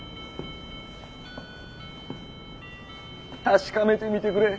確かめてみてくれ。